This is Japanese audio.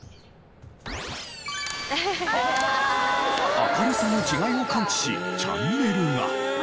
明るさの違いを感知しチャンネルが。